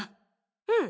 うん！